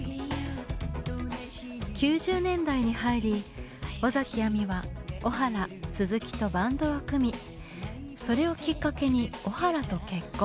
９０年代に入り尾崎亜美は小原鈴木とバンドを組みそれをきっかけに小原と結婚。